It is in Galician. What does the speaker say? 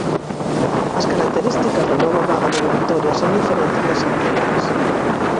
As características da nova vaga migratoria son diferentes das anteriores.